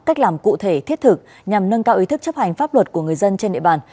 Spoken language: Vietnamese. cách làm cụ thể thiết thực nhằm nâng cao ý thức chấp hành pháp luật của người dân trên địa bàn